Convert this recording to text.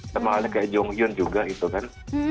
sama halnya kayak jong yoon juga itu kan